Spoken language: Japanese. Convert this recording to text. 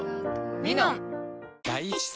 「ミノン」